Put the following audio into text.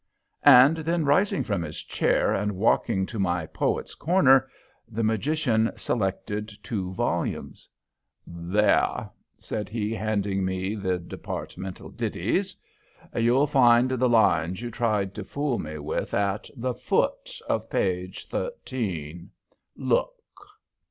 And then rising from his chair and walking to my "poet's corner," the magician selected two volumes. "There," said he, handing me the Departmental Ditties. "You'll find the lines you tried to fool me with at the foot of page thirteen. Look."